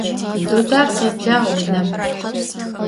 Dudar, khêblağ vunem!